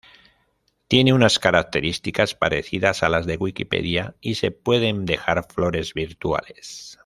Tiene unas características parecidas a las de Wikipedia y se pueden dejar flores virtuales.